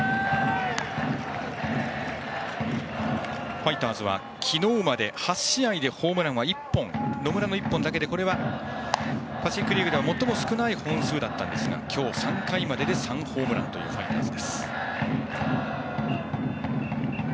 ファイターズは昨日まで８試合でホームランは野村の１本だけでこれはパシフィック・リーグでは最も少ない本数だったんですが今日は３回までで３ホームランというファイターズ。